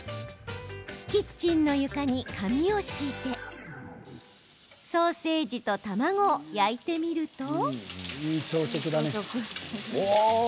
キッチンの床に紙を敷いてソーセージと卵を焼いてみると。